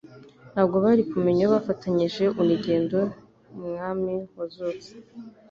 ntabwo bari kumenya ko uwo bafatanyije unigendo yari Umwami wazutse,